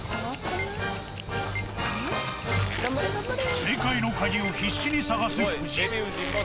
正解の鍵を必死に探す夫人。